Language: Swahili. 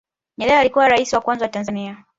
nyerere alikuwa raisi wa kwanza wa tanzania